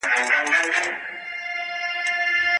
د پښتو ژبې د لغتونو قاموس باید په عصري ډول ترتیب او خپور شي.